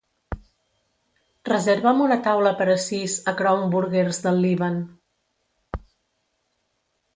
Reserva'm una taula per a sis a Crown Burgers del Líban.